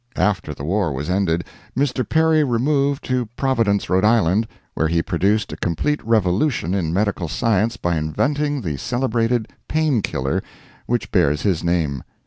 After the war was ended, Mr. Perry removed to Providence, Rhode Island, where he produced a complete revolution in medical science by inventing the celebrated "Pain Killer" which bears his name.